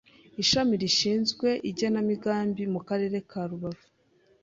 Ishami rishinzwe igenamigambi mu Karere ka Rubavu